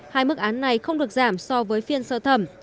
hai mức án này không được giảm so với phiên sơ thẩm